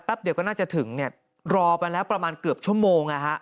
เดี๋ยวก็น่าจะถึงเนี่ยรอไปแล้วประมาณเกือบชั่วโมงนะฮะ